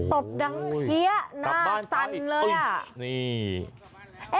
ตบดังเฮียหน้าสั่นเลยอ่ะนี่